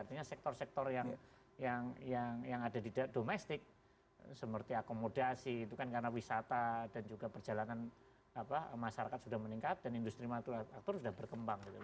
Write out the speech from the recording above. artinya sektor sektor yang ada di domestik seperti akomodasi itu kan karena wisata dan juga perjalanan masyarakat sudah meningkat dan industri manufaktur sudah berkembang